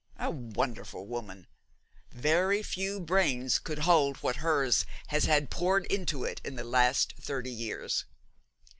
A wonderful woman! Very few brains could hold what hers has had poured into it in the last thirty years.